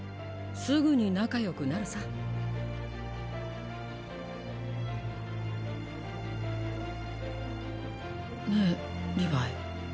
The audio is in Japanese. すぐに仲良くなるさ。ねぇリヴァイ。